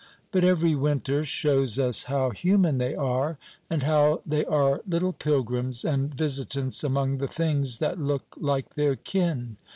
But every winter shows us how human they are, and how they are little pilgrims and visitants among the things that look like their kin.